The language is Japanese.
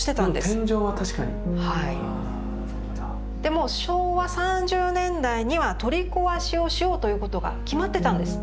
もう昭和３０年代には取り壊しをしようということが決まってたんです。